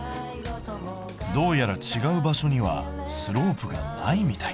どうやら違う場所にはスロープがないみたい。